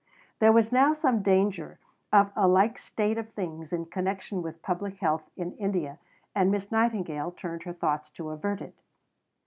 There was now some danger of a like state of things in connection with Public Health in India, and Miss Nightingale turned her thoughts to avert it.